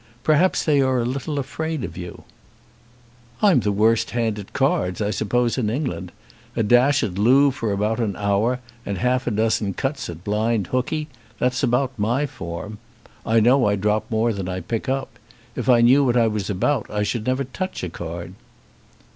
Perhaps they are a little afraid of you." "I'm the worst hand at cards, I suppose, in England. A dash at loo for about an hour, and half a dozen cuts at blind hookey, that's about my form. I know I drop more than I pick up. If I knew what I was about I should never touch a card."